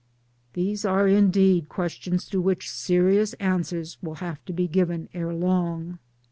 These are indeed ques tions to which serious answers will have to be given ere long.